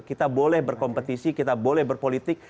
kita boleh berkompetisi kita boleh berpolitik